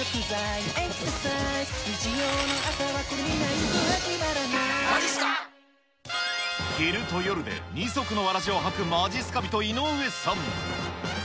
いっ昼と夜で二足のわらじを履くまじっすか人、井上さん。